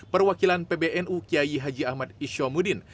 perwakilan pbnu kiai haji ahmad isyomudin